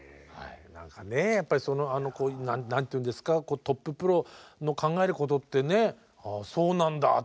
やっぱりその何て言うんですかトッププロの考えることってねああそうなんだっていうことあるもんね。